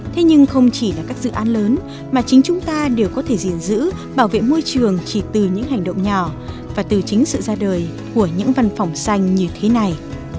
thế nhưng không chỉ là các dự án lớn mà chính chúng ta đều có thể gìn giữ bảo vệ môi trường chỉ từ những hành động nhỏ và từ chính sự ra đời của những văn phòng xanh như thế này